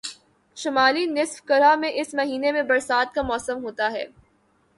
شمالی نصف کرہ میں اس مہینے میں برسات کا موسم ہوتا ہے